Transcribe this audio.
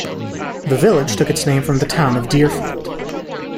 The village took its name from the Town of Deerfield.